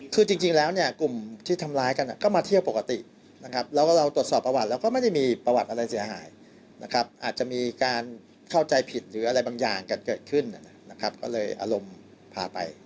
คือจริงแล้วเนี่ยกลุ่มที่ทำร้ายกันก็มาเที่ยวปกตินะครับแล้วก็เราตรวจสอบประวัติแล้วก็ไม่ได้มีประวัติอะไรเสียหายนะครับอาจจะมีการเข้าใจผิดหรืออะไรบางอย่างกันเกิดขึ้นนะครับก็เลยอารมณ์พาไป